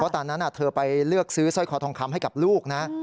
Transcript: ตอนนั้นเธอไปเลือกซื้อสร้อยคอทองคำให้กับลูกนะ